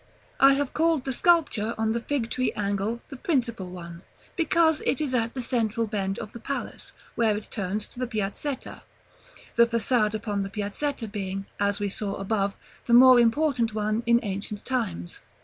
§ XXXVI. I have called the sculpture on the Fig tree angle the principal one; because it is at the central bend of the palace, where it turns to the Piazzetta (the façade upon the Piazzetta being, as we saw above, the more important one in ancient times).